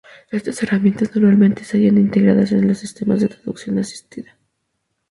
Estas herramientas normalmente se hallan integradas en los sistemas de traducción asistida.